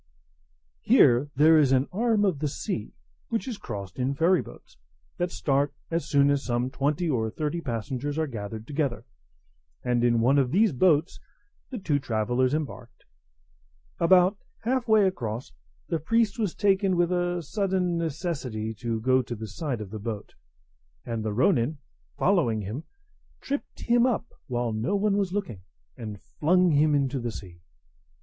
Here there is an arm of the sea, which is crossed in ferry boats, that start as soon as some twenty or thirty passengers are gathered together; and in one of these boats the two travellers embarked. About half way across, the priest was taken with a sudden necessity to go to the side of the boat; and the ronin, following him, tripped him up while no one was looking, and flung him into the sea.